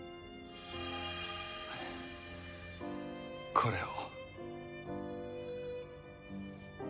これを。